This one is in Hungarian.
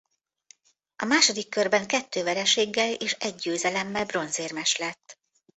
A második körben kettő vereséggel és egy győzelemmel bronzérmes lett.